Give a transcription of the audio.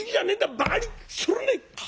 バカにするねい！」。